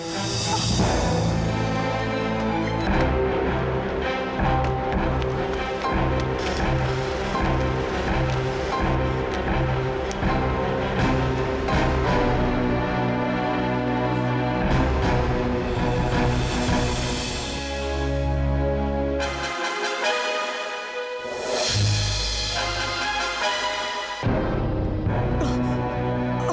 mas iksan siap